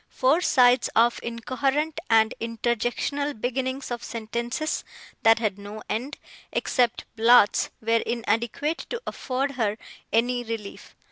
Four sides of incoherent and interjectional beginnings of sentences, that had no end, except blots, were inadequate to afford her any relief.